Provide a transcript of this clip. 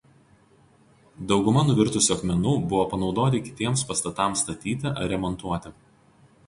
Dauguma nuvirtusių akmenų buvo panaudoti kitiems pastatams statyti ar remontuoti.